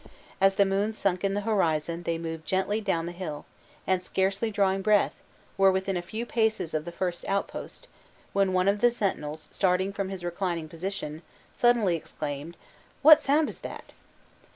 As the moon sunk in the horizon they moved gently down the hill; and scarcely drawing breath, were within a few paces of the first outpost, when one of the sentinels starting from his reclining position, suddenly exclaimed, "What sound is that?"